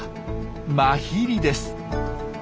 マヒリです。